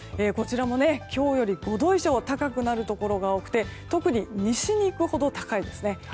こちらも今日より５度以上高くなるところが多くて特に西に行くほど高いですね。